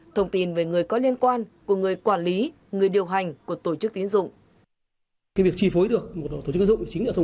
thông tin về người có liên quan của người có liên quan